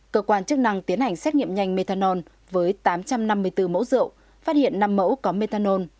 cơ quan chức năng tiến hành xét nghiệm nhanh methanol với tám trăm năm mươi bốn mẫu rượu phát hiện năm mẫu có methanol